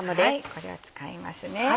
これを使いますね。